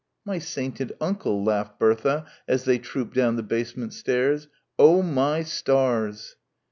"My sainted uncle," laughed Bertha as they trooped down the basement stairs. "Oh my stars!"